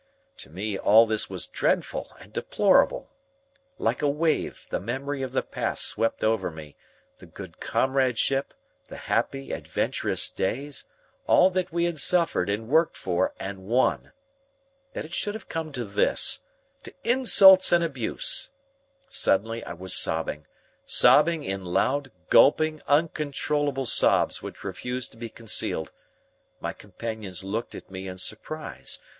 To me all this was dreadful and deplorable. Like a wave, the memory of the past swept over me, the good comradeship, the happy, adventurous days all that we had suffered and worked for and won. That it should have come to this to insults and abuse! Suddenly I was sobbing sobbing in loud, gulping, uncontrollable sobs which refused to be concealed. My companions looked at me in surprise.